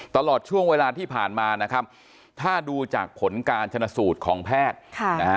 ตลอดช่วงเวลาที่ผ่านมานะครับถ้าดูจากผลการชนะสูตรของแพทย์ค่ะนะฮะ